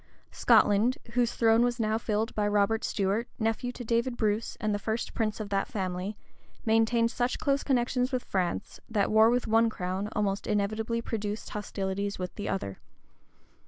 Scotland, whose throne was now filled by Robert Stuart, nephew to David Bruce, and the first prince of that family, maintained such close connections with France, that war with one crown almost inevitably produced hostilities with the other.